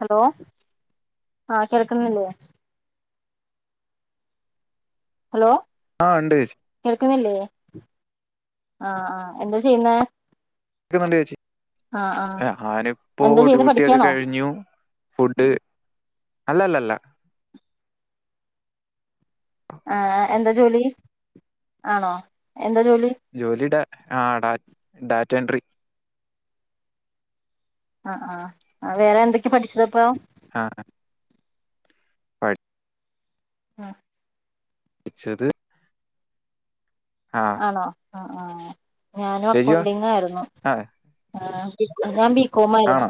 Hello ആഹ് കേൾക്കുന്നില്ലേ hello. ആഹ് ഉണ്ട് ചേചി. കേൾക്കുന്നില്ലേ ആഹ് ആഹ് എന്താ ചെയ്യുന്നേ നുണ്ട്ചേച്ചി ആഹ് ആഹ് ഞാനിപ്പോ എന്താ ചെയ്യുന്നെ ഡ്യൂട്ടിയൊക്കെ പഠിക്കാണോ കഴിഞ്ഞു. ഫുഡ് അല്ല അല്ല അല്ല. ആഹ് എന്താ ജോലി ആണോ എന്താ ജോലി ജോലി ഡ ആഹ് ഡാ ഡാറ്റ എൻട്രി. ആഹ് ആഹ് ആഹ് വേറെ എന്തൊക്കെ പഠിച്ചത്പ്പം. ആഹ് അഹ് [unintelligible] ഉം ഇച്ചത്. ആണോ ആഹ് ആഹ് ഞാനും ചേച്ചിയോ അക്കൗണ്ടിങ്ങാരുന്നു ആ ആഹ്. ഞ ബി കോമായിരുന്നു. ആണോ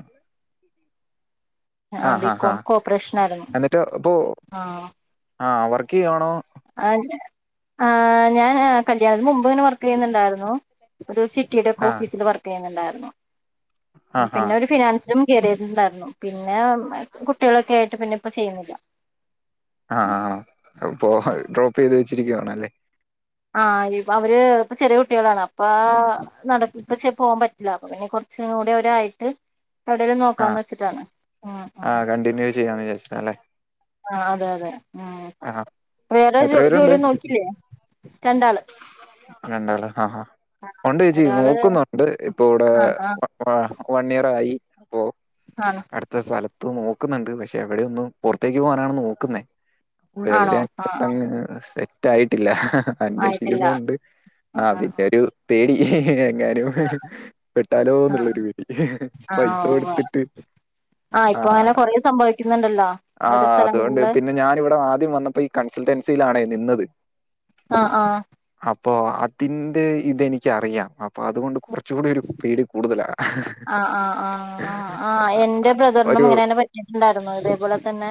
ആഹ് ഹാ ഹാ കോപ്പറേഷൻ ആയിരുന്നു എന്നിട്ട് ഇപ്പോ ആഹ് വർക്ക് ചെയ്യവാണോ ആഹ് ആഹ് ഞാന് കല്യാണത്തിന് മുമ്പ് ഇങ്ങനെ വർക്ക് ചെയ്യുന്നുണ്ടായിരുന്നു ഒരുപക്ഷെ. ആ കിടക്കോഫീസിൽ വർക്ക് ചെയ്യ്ന്ന്ണ്ടാരുന്നു ആ ഹാ പിന്നെ ഒരു ഫിനാൻസ- ജും കേറീണ്ടുണ്ടാർന്നു പിന്നെ കുട്ടികളൊക്കെ ആയിട്ട് പിന്നെ ഇപ്പ ചെയ്യുന്നില്ല. ആഹ് ആഹ് ആഹ് അപ്പൊ ഡ്രോപ്പ് ചെയ്ത് വെച്ചിരിക്കുവാണല്ലേ? ആഹ ഇബ അവര് ഇപ്പ ചെറിയ കുട്ടികളാണ് അപ്പോ. നടക്കും പക്ഷേ പോകാൻ പറ്റില്ല അപ്പൊ പിന്നെ കുറച്ചും കൂടി ഒരായിട്ട്. എവിടേലും നോക്കാന്ന് വെച്ചിട്ടാണ് ഉം അഹ് കണ്ടിനൂ ചെയ്യാന്ന് വിചാരിച്ചിട്ടാ അല്ലേ ആഹ് അതെ അതെ ഉം വേറെ എത്ര ജോ പേരുണ്ട് ജോലിന്നും നോക്കില്ലേ രണ്ടാള്. രണ്ടാള് ആഹാ ഉണ്ടേച്ചി ഒരാള് നോക്കുന്നുണ്ട് ഇപ്പൊ ഇവിടെ. ആഹ് വൺ ഇയർ ആയി ഇപ്പൊ. ആണ്. അടുത്ത സ്ഥലത്ത് നോക്കുന്നുണ്ട് പക്ഷെ എവിടെ ഒന്ന് പുറത്തേക്ക് പോകാനാണ് നോക്കുന്നേ. ഓ ആണോ ആഹ് ആഹ് എവിടെയാണ്ങ്ങ് സെറ്റ് ആയിട്ടില്ല ആയിട്ടില്ല അന്വേഷിക്കുന്നുണ്ട്. ആ ആഹ് ആഹ് പിന്നൊരു പേടി എങ്ങാനും. ആഹ് പെട്ടാലോന്നുള്ളൊരു പേടി ആഹ് പൈസ ആഹ് ഉവ്വ കൊടുത്തിട്ട്. ആഹ് ആ ഇപ്പൊ അങ്ങനെ കൊറേ സംഭവിക്കുന്നുണ്ടല്ലോ ഓരോ ആഹ് അതോണ്ട് സ്ഥലങ്ങളില് പിന്നെ ഞാനിവിടെ ആദ്യം വന്നപ്പോ ഈ കൺസൾട്ടൻസിയിലാണെ നിന്നത് ആഹ് ആ അപ്പോ അതിന്റെ ഇതെനിക്ക് അറിയാം അപ്പൊ അതുകൊണ്ട് കൊർ ച്ചൂടെ ഒരു പേടി കൂടുതലാ അ അ ആ ആ എൻ്റെ ബ്രദറിനും ഒരു ഇങ്ങനെ തന്നെ പറ്റിട്ടുണ്ടായിരുന്നു അതേപോലെ തന്നെ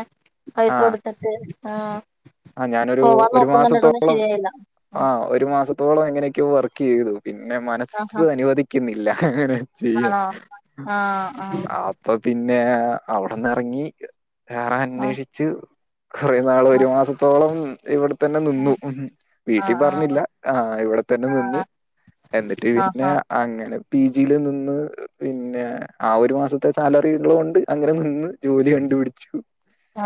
ആ പൈസ കൊടുത്തിട്ട് ആഹ് ആ ഞാനൊരു പോവാൻ ഒരു നോക്കുന്നുണ്ടിട്ടൊന്നും മാസത്തോളം ശരിയായില്ല ആ ആഹ് ഒരു മാസ ത്തോളം എങ്ങനെയൊക്കെയോ വർക്ക് ചെയ്തു പിന്നെ മനസ്സ് ആഹ് അനുവദിക്കുന്നില്ല അങ്ങനെ. ചെയ്യാം ആണോ ആഹ് ആഹ് ആപ്പ് അപ്പ പിന്നെ അവിടന്ന് എറങ്ങി വേറെ അന്വേഷിച്ചു കൊറെ നാള് ഒരു മാസത്തോളം ഇവിടു തന്നെ നിന്നു ആഹ് വീട്ടി ആഹ് പറഞ്ഞില്ല ആ ഇവിട തന്നെ നിന്നു ആഹ് എന്നിട്ട് ആഹ് പിന്നെ ആഹ് അങ്ങനെ പി ജിയില് നിന്ന് പിന്ന ആ ഒരു മാസത്തെ സാലറി ഉള്ളോണ്ട് അങ്ങനെ നിന്ന് ജോലി കണ്ടുപിടിച്ചു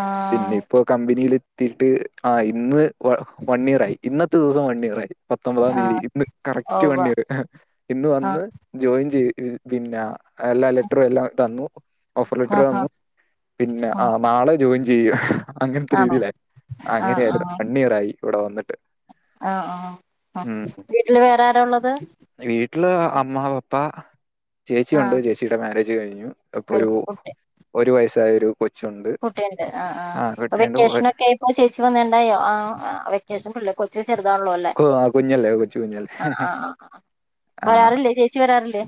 ആഹ് പിന്നെ ഇപ്പോ കംമ്പനിൽ എത്തിട്ട് ആ ഇന്ന് വൺ ഇയർ ആയി ഇന്നത്തെ ദിവസം വൺ ഇയർ ആയി പത്തൊമ്പതാം തീയതി ആഹ് ഇന്ന് കറക്റ്റ് വൺ ഉവ്വ് ഇയറ് ഇന്ന് ആഹ് വന്ന് ജോയിൻ ചെയ് പിന്ന എല്ലാ ലെറ്ററും എല്ലാം തന്നു ഓഫർ ലെറ്റർ ആഹ് വന്നു പിന്നെ ആ ആഹ് നാളെ ജോയിൻ ചെയ്യ അങ്ങനത്തെ ആണോ രീതിയിലായി ആഹ് അങ്ങനെയായിരുന്ന് ആഹ് വണ്ണിയറായി ഇവിടെ വന്നിട്ട് ആഹ് ആ ആ ഉം വീട്ടില് വേറാര ഒള്ളത് വീട്ടില് അമ്മ പപ്പ ചേച്ചിയൊണ്ട് ആഹ് ചേച്ചിയുടെ മാരേജ് കഴിഞ്ഞു അപ്പൊരു കഴിഞ്ഞു കുട്ടി ഒരു വയസ്സായൊരു കൊച്ചുണ്ട് കുട്ടിയുണ്ട് ആ ആ അപ്പൊ കുട്ടിയുണ്ട് ഒ- വെക്കേഷനൊക്കെ ആയപ്പോ ചേച്ചി വന്ന്ണ്ടായോ ആ വെക്കേഷൻ ഫുള്ള് കൊ ച്ച് ചെറുതാള്ളോ അല്ലേ ഓ ആ കുഞ്ഞല്ലേ കൊച്ചു കുഞ്ഞല്ലേ ആ വെരാറില്ലേ ചേച്ചി വെരാറില്ലേ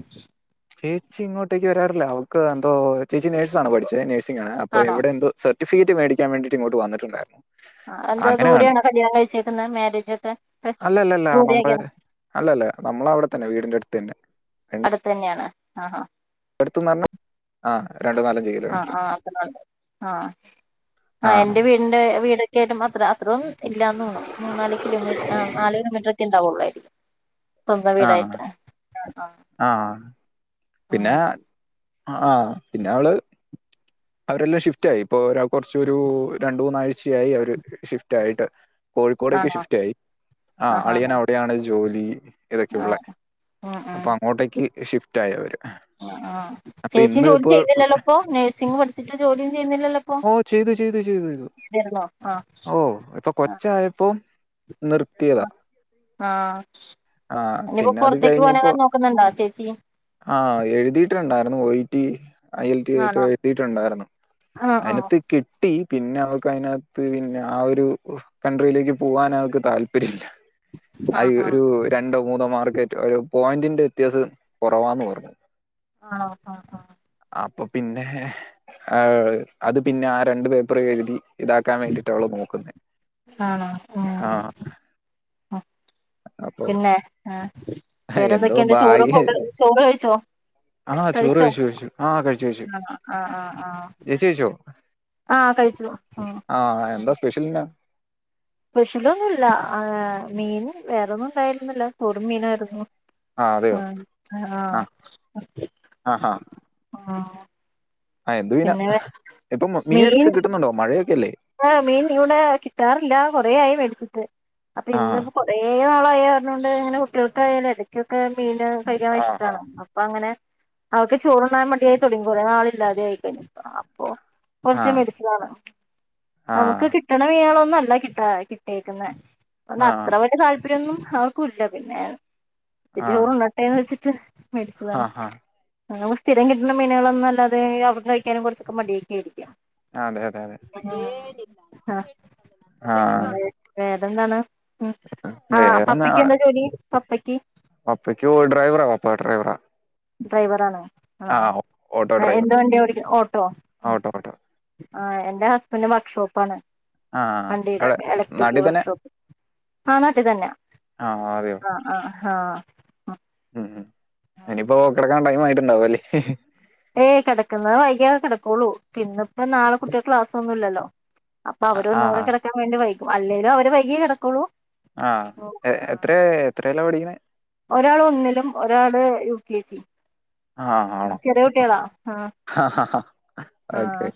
ചേച്ചി ഇങ്ങോട്ടേക്ക് വരാറില്ല അവൾക്ക് എന്തോ ചേച്ചി നേഴ്സിണ് പഠിച്ചെ നേഴ്സ് സിങ് അപ്പോ ആണോ ഇവിടെ എന്തോ സർട്ടിഫിക്കറ്റ് മേടിക്കാൻ വേണ്ടിട്ടിങ്ങോട്ട് വന്നിട്ടുണ്ടായിര്ന്നു ആ എന്താ ദൂരെ ആണോ കല്യാണം കഴിച്ചേക്കുന്നേ മാരേജൊക്കെ അല്ലല്ലല്ല നമ്മള് അല്ലല്ല നമ്മളവിട തന്നെ വീടിന്റെ അടുത്തന്നെ അടുത്തന്നെയാണ് ആഹാ അടുത്തന്ന് പറഞ്ഞ ആ രണ്ട് നാലഞ്ച് വീട് ആ ആ നോക്കുന്നൊണ്ട് ആ ആ എന്റെ വീടിന്റെ വീടൊക്കെ ആയിട്ടും അത്ര അ അത്രോം ഇല്ലാന്ന് തോന്ന്ണ് മൂന്നാല് കിലോമീറ്റ് നാല് കിലോമീറ്ററൊക്കെ ഇണ്ടാവുള്ളായിരിക്കും സ്വന്തം വീടായിട്ട് ആഹ് പിന്ന ഉം ആഹ് പിന്നവള് അവരെല്ലാം ഷിഫ്റ്റായി ഇപ്പോ ഒര് കൊറച്ചൊരു രണ്ട് മൂന്നാഴ്ച്ചയായി അവര് ഷിഫ്റ്റായിട്ട് കോഴിക്കോടേക്ക് ആണോ ഷിഫ്റ്റ് ആയി ആ ആഹാ അളിയനവിടെയാണ് ജോലി ആ ഇതൊക്കെയുള്ള ഉം ഉം അപ്പൊ അങ്ങോട്ടേക്ക് ഷിഫ്റ്റായി അവര് ആ അപ്പൊ ചേച്ചി ഇന്ന് ജോലി ഇപ്പൊ ചെയ്യുന്നില്ലല്ലോ ഇപ്പൊ നേഴ്സിങ് പഠിച്ചിട്ട് ജോലിയൊന്നും ചെയ്യുന്നില്ലല്ലോ ഇപ്പൊ ഓ ചെയ്തു ചെയ്തു ചെയ്തു ചെയ്തിരുന്നോ ആ ഓ ഇപ്പൊ ആ കൊച്ചായപ്പോ നിർത്തിയത ആഹ് ഇനിപ്പോ പിന്നെ അത് പൊർത്തേക്ക് പോകാനെങാനും നോക്കുന്ന്ണ്ടോ ചേച്ചി ആഹ് എഴുതീട്ടുണ്ടായിര്ന്നു വൊയിറ്റി ഐ എൽ ടി എക്ക ആണോ എട്ടീട്ടുണ്ടായിര്ന്നു ആ ആ അനത്ത് കിട്ടി പിന്നെ അവക്ക് അയിനാത്ത് പിന്നെ ആ ഒരു കൺട്രിയിലേക്ക് പോവാൻ ആൾക്ക് താല്പര്യല്ല അയി ആഹ് ഒരു രണ്ടോ മൂന്നോ മാർക്കറ്റ് ഒരു പോയിന്റിന്റെ വ്യത്യാസം കൊറവാന്ന് പറഞ്ഞു ആണോ ആഹ് ആഹ് അപ്പൊ പിന്നെഹ് ആ അത് പിന്നെ ആ രണ്ട് പേപ്പറെഴുതി ഇതാക്കാൻ വേണ്ടിട്ടാവള് നോക്കുന്നെ ആഹ് ആഹ് ആഹ് പിന്നെ ആ എന്തോ വേറെന്തൊക്കെണ്ട് ചോറ് ഫുഡ് ചോറ് കഴിച്ചോ ആഹ് ചോറ് കഴിച്ചോ കഴിച്ചു കഴിച്ചു ആ കഴിച്ചു കഴിച്ചു ആഹ് ആഹ് ആഹ് ആഹ് ചേച്ചി കഴിച്ചോ ആഹ് കഴിച്ചു ഉം ആഹ് എന്താ സ്പെഷ്യൽന് സ്പെഷലൊന്നുല്ല ആ മീൻ വേറൊന്നും ഉണ്ടായിരുന്നില്ല ചോറും മീനായിരുന്നു ആ അതെയോ ആഹ് ആ ആഹ് ആ ഹാ ആഹ് ആ എന്ത് മീന പിന്നെ ഇപ്പ മീനൊക്കെ കിട്ടുന്നുണ്ടോ മഴയൊക്കെയല്ലേ ആ മീൻ ഇവിടെ കിട്ടാറില്ല കൊറേ ആയി വേടിച്ചിട്ട് അപ്പൊ ആ ഇന്ന് കൊറേ നാളായ കാരണോണ്ട് ങ്ങനെ കുട്ടികൾക്കായാലും എടക്കൊക്കെ മീന് കഴിക്കാൻ ആ ഹാ ഇഷ്ടാണ് പ്പാങ്ങനെ അവക്ക് ചോറുണ്ണാൻ മടിയായി തൊടങ്ങി കുറേനാളില്ലാതെയിക്കഴിഞ്ഞപപ്പോ അപ്പൊ ആ കൊറച്ച് മെഡിസിനാണ് ആ നമുക്ക് കിട്ടണ മീനുകളൊന്നും അല്ല കിട്ടാ കിട്ടിയേക്കുന്നേ ആ അത്ര വലിയ താല്പര്യം ര്യൊന്നും അവർക്കുല്ല പിന്നെ ആ ഇത്തിരി ചോറുണ്ണട്ടെന്ന് വെച്ചിട്ട് ആ മേടിച്ചതാണ് ഹാ നമുക്ക് സ്ഥിരം കിട്ട്ണ മീനുകളൊന്നും അല്ലാതെ അവർക്ക് കഴിക്കാനും കൊറച്ചൊക്കെ മടിയൊക്കെ ആയിരിക്കാം ആഹ് അതെ അതെ അതെ ആ ആഹ് വേറെന്താണ് ഉം ആഹ് പപ്പയ്ക്കെന്താ ജോലി പപ്പയ്ക്ക് പപ്പക്ക് ഓൾഡ് ഡ്രൈവറാ പപ്പ ഡ്രൈവറാ ഡ്രൈവറാണോ ആ ഓട്ടോ ആഹ് ഡ്രൈവർ എന്ത് വണ്ടിയാ ഓടിക്കുന്ന് ഓട്ടോ ഉം ഓട്ടോ ഓട്ടോ ആഹ് എന്റെ ഹസ്ബൻ്റ് വർക്ക്ഷോപ്പാണ് ആ വണ്ടീടെ എവിടെ ഇലക്ട്രിക്ക് നാട്ടിൽ തന്നെ വർക്ക്ഷോപ്പ് ആ നാട്ടി തന്നെ ആഹ് അതെയോ അഹ് അഹ് ആഹ് ഉം ഇനിയിപ്പോ കെടക്കാൻ ടൈമായിട്ടുണ്ടാവും അല്ലേഹ് ഏയ് കെടക്കുന്നത് വൈകിയാ കിടക്കൂള്ളൂ പിന്നിപ്പ നാളെ കുട്ട്യൾക്ക് ക്ലാസ്സൊന്നുല്ലല്ലോ അപ്പൊ അവര് ആ ഒന്നും കൂടെ കെടക്കാൻ വേണ്ടി വൈകും അല്ലേലും അവര് വൈകിയേ കെടക്കൊള്ളൂ ആഹ് എത്രയ എത്രേലാ പഠിക്ക്ണെ ഒരാളൊന്നിലും ഒരാള് യു കെ ജി ആഹ് ആണോ ചെറിയ കുട്ടികളാ ആഹ് ഓക്കെ ആഹ്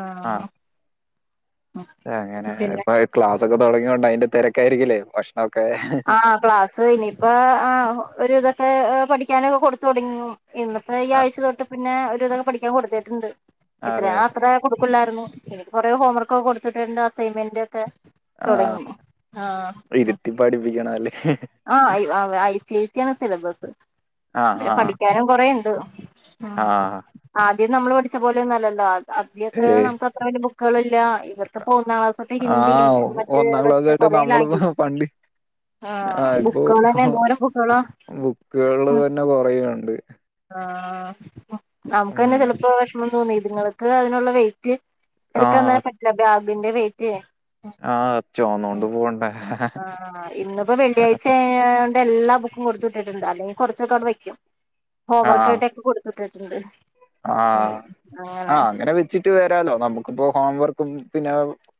ആഹ് അങ്ങനെ പിന്നെ ഇപ്പൊ ക്ലാസൊക്കെ തൊടങ്ങിയോണ്ട് അയിന്റെ തിരക്കായിരിക്കില്ലേ ഭക്ഷണൊക്കെഹ് ആ ക്ലാസ്സ് ഇനിയിപ്പ ആ ഒരുവിദൊക്കെ പഠിക്കാനൊക്കെ കൊടുത്തൊടങ്ങി ഇന്നിപ്പോ ഈ ആഹ് ആഴ്ച തൊട്ട് പിന്നെ ഒരുവിതൊക്കെ പഠിക്കാൻ കൊടുത്തിട്ടുണ്ട് ഇത്ര അതെ അതെ അത്ര കൊടുക്കൂല്ലാരുന്നു ഇനി കൊറേ ഹോംവർക്ക് ഒക്കെ കൊടുത്തിട്ടുണ്ട് അസൈൻമെന്റക്കെ ആഹ് ഇരുത്തി പഠിപ്പിക്കണം അല്ലേഹ് ആ ഐവ ഐ സി ഐ സി ആണ് സിലബസ് ആഹ് പിന്നെ ആഹ് പഠിക്കാനും കൊറെണ്ട് ഉം ആഹ് ആദ്യം നമ്മള് പഠിച്ച പോലൊന്നും അല്ലല്ലോ ആ ആദ്യൊക്കെ ഏയ് നമുക്കത്ര വല്യ ബുക്കുകള്ല്ല ഇവർക്ക്പ്പോ ഒന്നാം ക്ലാസൊട്ടെ ഹിന്ദിയും മറ്റേ പ്പൊന്നാം ഇതൊക്കെ ക്ലാസായിട്ട് കൊറേ നമ്മള് ലാംഗ്വേജ് ഹ് പണ്ടി ആഹ് [unintelligible] ഇപ്പോ എന്തോരം ബുക്കുകളാ ബുക്കുകളന്നെ കൊറെയൊണ്ട് ആ നമുക്ക് തന്നെ ഉം ചെലപ്പോ വെഷമം തോന്നി ഇത്ങ്ങൾക്ക് അതിനുള്ള വെയിറ്റ് എടുക്കാൻ ആഹ് തന്നെ പറ്റില്ല ബ്യാഗിന്റെ വെയ്റ്റേ ആഹ് ചൊമന്നോണ്ട് പോവണ്ടേ ൻ്റെ എല്ലാ ബുക്കും കൊടുത്ത് വിട്ടിട്ടുണ്ട് അല്ലെങ്കിൽ കുറച്ചൊക്കെ അവിടെ വയ്ക്കും ഹോം വർക്കായിട്ടൊക്കെ കൊടുത്തു വിട്ടിട്ടുണ്ട് ആഹ് ആഹ് അങ്ങനെ വെ ച്ചിട്ട് വരാലോ നമുക്കിപ്പോ ഹോം വർക്കും പിന്നെ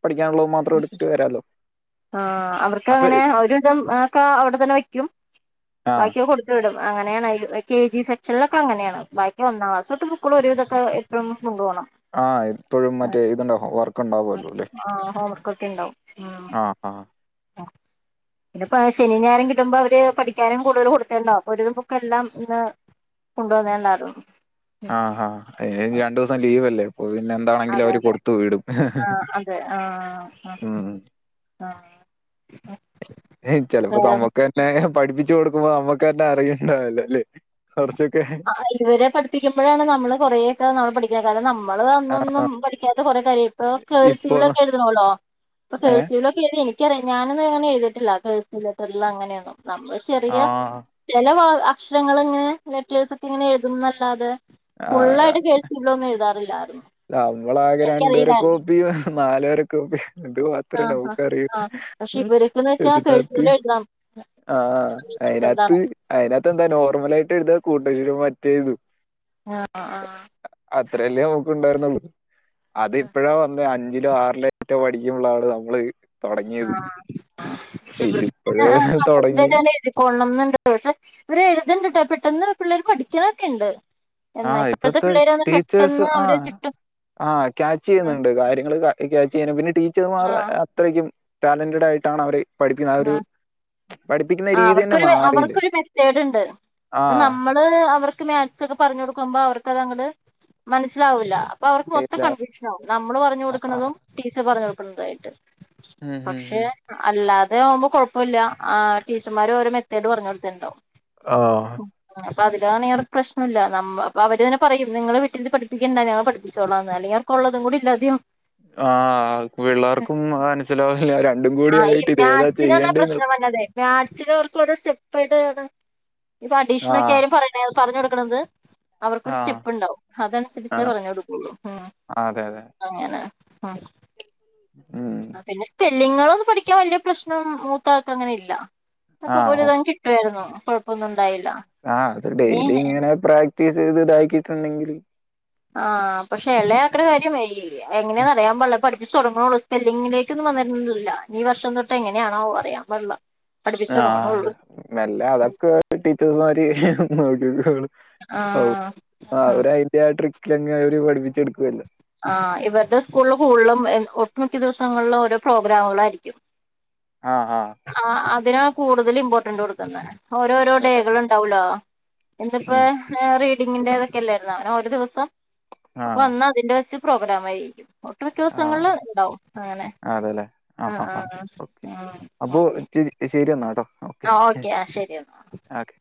പഠിക്കാനുള്ളതും മാത്രം എടുത്തിട്ട് വരാല്ലോ ആഹ് അവർക്ക് അങ്ങനെ ഒരുവിധം ഒക്കെ അവിടെ തന്നെ വയ്ക്കും ആഹ് ബാക്കിയെ കൊടു വിടും അങ്ങനെയാണ് ഈ കെ ജി സെക്ഷനിലൊക്കെ അങ്ങനെയാണ് ബാക്കി ഒന്നാം ക്ലാസ് തൊട്ട് ബുക്കുകൾ ഒരുവിധൊക്കെ തും കൊണ്ട് പോണം ആഹ് ഇപ്പോഴും മറ്റേ ഇതുണ്ടാവും വർക്ക് ഉണ്ടാവുമല്ലോ അല്ലേ ക്ക് ഒക്കെ ഉണ്ടാവും ഉം ആഹ് ആഹ് ആഹ് പിന്നപ്പ ശനിയും ഞായറും കിട്ടുമ്പോ അവര് പഠിക്കാനും കൂടുതൽ കൊടുത്തുണ്ടാവും അപ്പോൾ ഒരുവിതം ബുക്കെല്ലാം ഇന്ന് കൊണ്ട് വന്നുണ്ടായിരുന്നു ആഹ് ആഹ് അയ്നുഷം രണ്ടു ദിവസം ലീവ് അല്ലേ പോ പിന്നെ എന്താണെങ്കിലും അതെ അവര് അതെ കൊടുത്തുവിടും ആ ഉം ആഹ് ഏഹ് ചിലപ്പോ നമ്മക്ക് തന്നെ പഠിപ്പിച്ചു കൊടുക്കുമ്പോ നമ്മക്ക് തന്നെ അറിയുണ്ടാവില്ലല്ലേ കുറച്ചൊക്കെ ആഹ് ഇവരെ പഠിപ്പിക്കുമ്പോഴാണ് നമ്മള് കൊറയൊക്കെ നമ്മള് പഠിക്കുന്നത് കാരണം നമ്മള് അന്നൊന്നും ആഹ് പഠിക്കാതെ കൊറെ കാര്യ ഇപ്പൊ ഇപ്പൊ കഴ്സീവിലൊക്കെ എഴുതണോല്ലോ അപ്പൊ ഏഹ് കഴ്സീവിൽ ഒക് എനിക്കറിയാം ഞാനൊന്നും എങ്ങനെ എഴുതിയിട്ടില്ല കഴ്‌സീവ് ലെറ്ററിൽ അങ്ങനെയൊന്നും നമ്മൾ ചെറിയ ആഹ് ചില വാ അക്ഷരങ്ങള് ഇങ്ങനെ ലെറ്റേഴ്‌സ് ഒക്കെ ഇങ്ങനെ എഴുതുന്ന് അല്ലാതെ ആഹ് ഫുള്ളായിട്ട് കഴ്‌സീവിലൊന്നും എഴുതാറില്ലായിരുന്നു നമ്മളാകെ രണ്ട് വര എനിക്കറിയില്ലായിരുന്നു കോപ്പിയും നാലുവര കോപ്പി അതു മാത്രേ ആഹ് ആഹ് നമുക്ക് അറിയൂ ആഹ് പക്ഷെ ഇവരൊക്കന്ന് വെച്ചാ കഴ്‌സീവിൽ എഴുതണം ആഹ് അതിനാത്ത് നിർബന്ധാണ് അതിനാത്തെന്താ മോർമലയിട്ട് എഴുതാ കൂട്ടക്ഷരം മറ്റേതു ആഹ് ആഹ് അത്രല്ലേ നമുക്ക് ഉണ്ടായിരുന്നുള്ളു അത് എപ്പോഴാ വന്നേ അഞ്ചിലോ ആറിലോ മറ്റോ പഠിക്കുമ്പോളാണ് നമ്മള് തുടങ്ങിയത് ഇവർക്ക് ഇതിപ്പോഴേ തുടങ്ങി പിന്നെ [inaudible] എഴുതികോളണന്നുണ്ട് ട് ഇവര് എഴുതുണ്ട്ട്ടോ പെട്ടെന്ന് പിള്ളേർ പഠിക്കണൊക്കെ ഉണ്ട് ആ എന്നാ ഇപ്പോഴത്തെ ഇപ്പത്തെ പിള്ളേര് ഒന്ന് പെട്ടെന്ന് അവര് കിട്ടും ആഹ് ക്യാച്ച് ആഹ് ചെയ്യുന്നുണ്ട് കാര്യങ്ങള് ക്യാച്ച് ചെയ്യാനും പിന്നെ ടീച്ചർമാർ അത്രയ്ക്കും ടാലൻ്റിട് ആയിട്ടാണ് അവര് പഠപ്പിക്കുന്നത് ആഹ് ഒരു പഠിപ്പിക്കുന്ന ആഹ് രീതി തന്നെ അവർക്കൊരു മാറിയില്ലേ അവർക്കൊരു മെത്തേഡ് ഉണ്ട് ആ അത് നമ്മ നമ്മള് അവർക്ക് മാക്സ് ഒക്കെ പറഞ്ഞു കൊടുക്കുമ്പോ അവർക്കത് അങ്ങട് മനസ്സിലാവൂല്ല അപ്പൊ അവർക്ക് മൊത്തം ഇല്ല കൺഫ്യൂഷനാകും നമ്മള് പറഞ്ഞു ആ കൊടുക്കണതും ടീച്ചറ് പറഞ്ഞു കൊടുക്കുന്നതുംമായിട്ട് ഉം ഉം പക്ഷെ ഉം. അല്ല അവര് ആവുമ്പോ കുഴപ്പമില്ല ആഹ് ടീച്ചർമാര് ഓരോ മെത്തേഡ് പറഞ്ഞു കൊടുത്തിണ്ടാവും ആഹ് അപ്പൊ അതിലാണേറെ പ്രശ്നമില്ല നമ്മ അപ്പൊ അവര് തന്നെ പറയും നിങ്ങള് വീട്ടിൽ പഠിപ്പിക്കണ്ട ഞങ്ങ പഠിപ്പിച്ചോളാന്ന് അല്ലെങ്കി കൊള്ളതും കൂടി ഇല്ലാതെ ആവും ആഹ് പിള്ളേർക്കും മനസ്സിലാവയില്ല രണ്ടും കൂട ആയിട്ട് ഇത് ഏതാ മാക്സിനാണാ ചെയ്യേണ്ടത് പ്രശ്നം വരുന്നത് മാക്സിന് അവർക്കു ഓരേ സ്റ്റെപ്പായിട്ട് ആണ് ഇപ്പൊ അഡീഷൻ ആ ഒക്കെ ആരും പറയ ഏഹ് പറഞ്ഞു കൊടുക്കണത് അവർക്കൊരു ആ സ്റ്റെപ്പ് ഉണ്ടാവും ആ അതനുസരിച്ചേ പറഞ്ഞു കൊടുക്കുള്ളൂ അതെ അതെ അങ്ങനെ ഉം ഉം പിന്നെ സ്പെല്ലിങ്ങുകളൊന്നും പഠിക്കാൻ വലിയ പ്രശ്നം മൂത്ത ആൾക്ക് അങ്ങനെ ഇല്ല ആ ഒക്കെ പോല ഓ ഇതങ്ങ്കിട്ടുവായിരുന്നു കൊഴപ്പൊന്നും ഉണ്ടായില്ല ആഹ് അത് നീ ഡെയിലി ഇങ്ങനെ പ്രാക്ടീസ് ചെയ്ത് ഇതാക്കിയിട്ടുണ്ടെങ്കിൽ ആഹ് പക്ഷെ ഇളയ ആക്കടെ കാര്യം എങ്ങനെയാ എന്ന് അറിയാാൻ പാടില്ല പഠിപ്പിച്ച് തുടങ്ങണേ ഉള്ളു സ്പെല്ലിങ്ലേകൊന്നും വന്നിരുന്നില്ല ഇനി ഈ വർഷം തൊട്ട എങ്ങനെയാണോ ആവോ അറിയാൻ പാടില്ല പഠിപ്പിച്ച് ആഹ് തുടങ്ങണുള്ളൂ നല്ല അതൊക്കെ ടീച്ചേഴ്സ്മാര് നോക്കിക്കോളും ആ ഓ ആ അവര്അയ്‌ന്റെ ആ ട്രിക്കിൽ അങ്ങെനെ അവര് പഠിപ്പിച്ച് എടുക്കുവല്ലോ ആ ഇവരുടെ സ്കൂൾ കൂടുതലും ഒട്ടുമിക്ക ദിവസങ്ങളിലും ഓരോ പ്രോഗ്രാമുകളായിയിരിക്കും ആഹ് ആഹ്.. ആ അതിനാണ് കൂടുതൽ ഇമ്പോർട്ടൻറ് കൊടുക്കുന്ന ഓരോരോ അതെല്ലേ. ഡേകൾ ഉണ്ടാവല്ലോ എന്തിപ്പോ ഉം. റീഡിങ്ങിന്റെതൊക്കെ ല്ലെർന്നോ ങ്ങനെ ഒരു ദിവസം ആ അപ്പൊ അന്ന് തിന്റെ വച്ച് പ്രോഗ്രാം ആയിരിക്കും ഒട്ട് മിക്ക ആ ദിവസങ്ങളിൽ ഉണ്ടാവും അങ്ങനെ അതെല്ലേ. ആഹ് ആഹ് ആഹ്.. അപ്പോൾ ഓക്കെ ചേച്ചി ശരി എന്നാൽ കേട്ടോ ആ ഓക്കെ ആ ശരി എന്നാ.. ഓക്കെ..